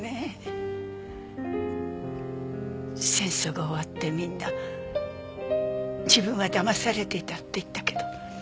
戦争が終わってみんな自分はだまされていたって言ったけど。